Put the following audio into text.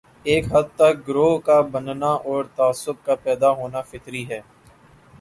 ایک حد تک گروہ کا بننا اور تعصب کا پیدا ہونا فطری ہے۔